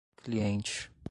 cliente